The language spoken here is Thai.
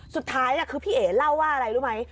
สุดท้ายคือพี่เอ๋เล่าว่าอะไรรู้ไหม